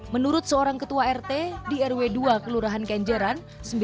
menurut seorang ketua rt di rw dua kelurahan kenjeran